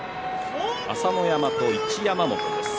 朝乃山と一山本です。